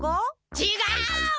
ちがう！